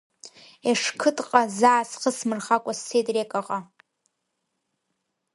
Ешқыҭҟа заа схы смырхакәа, сцеит Рекаҟа.